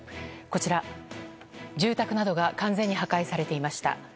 こちら、住宅などが完全に破壊されていました。